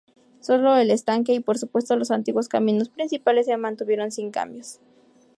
Sólo el estanque y, por supuesto, los antiguos caminos principales se mantuvieron sin cambios.